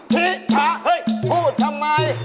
ทิพะพูดทำไม